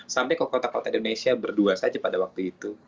sampai ke kota kota indonesia berdua saja pada waktu itu